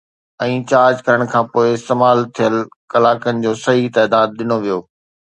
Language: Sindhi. ۽ چارج ڪرڻ کان پوءِ استعمال ٿيل ڪلاڪن جو صحيح تعداد ڏنو ويو